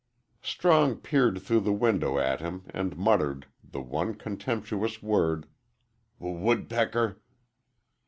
Strong peered through the window at him and muttered the one contemptuous word, "W woodpecker!"